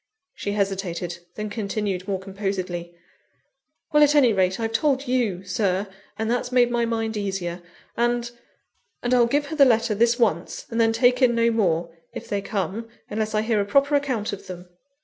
She hesitated, then continued more composedly; "Well, at any rate I've told you, Sir, and that's made my mind easier; and and I'll give her the letter this once, and then take in no more if they come, unless I hear a proper account of them."